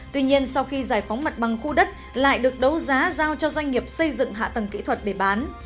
tuy nhiên sau khi giải phóng mặt bằng khu đất lại được đấu giá giao cho doanh nghiệp xây dựng hạ tầng kỹ thuật để bán